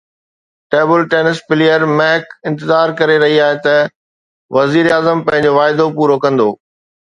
table tennis player Mehak انتظار ڪري رهي آهي ته وزيراعظم پنهنجو واعدو پورو ڪندو